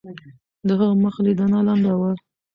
د هغه مخ لیدنه لنډه وه.